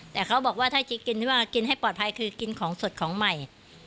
แต่เขาบอกว่าถ้าจิ๊กกินที่ว่ากินให้ปลอดภัยคือกินของสดของใหม่